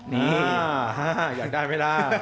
นี่อยากได้ไหมล่ะ